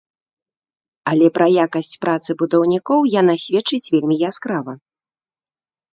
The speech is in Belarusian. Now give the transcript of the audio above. Але пра якасць працы будаўнікоў яна сведчыць вельмі яскрава.